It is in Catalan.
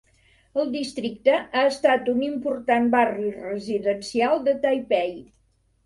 El districte ha estat un important barri residencial de Taipei.